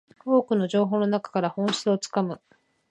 多くの情報の中から本質をつかむ